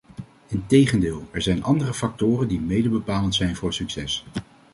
Integendeel, er zijn andere factoren die mede bepalend zijn voor succes.